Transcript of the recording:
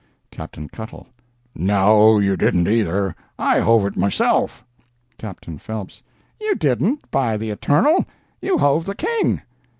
Captain Cuttle—"No, you didn't, either—I hove it myself" Captain Phelps—"You didn't, by the Eternal!—You hove the king."